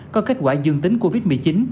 có kết quả dương tính covid một mươi chín